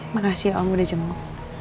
makasih ya om udah jempol